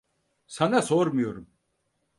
Sana sormuyorum.